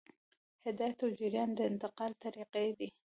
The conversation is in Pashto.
هدایت او جریان د انتقال طریقې دي.